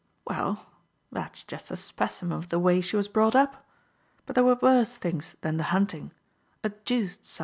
" Well, that's just a specimen of the way she was brought up. But there were worse things than the hunting, a deuced sight."